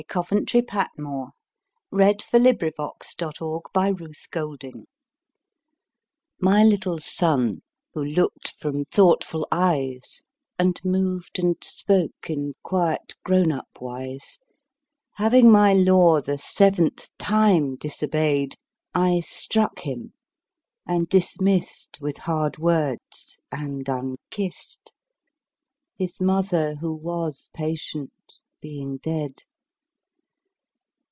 Coventry Patmore. 1823–1896 763. The Toys MY little Son, who look'd from thoughtful eyes And moved and spoke in quiet grown up wise, Having my law the seventh time disobey'd, I struck him, and dismiss'd With hard words and unkiss'd, 5 —His Mother, who was patient, being dead.